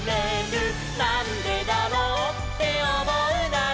「なんでだろうっておもうなら」